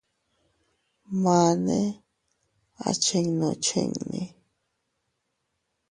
Mane a chinnu chinbi.